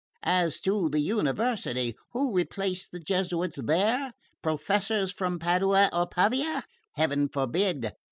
As to the University, who replaced the Jesuits there? Professors from Padua or Pavia? Heaven forbid!